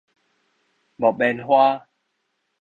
木棉花